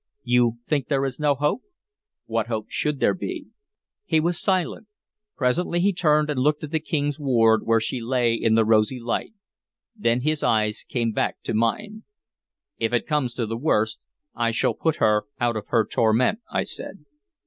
"You think there is no hope?" "What hope should there be?" He was silent. Presently he turned and looked at the King's ward where she lay in the rosy light; then his eyes came back to mine. "If it comes to the worst I shall put her out of her torment," I said.